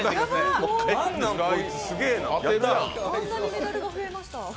あんなにメダルが増えました。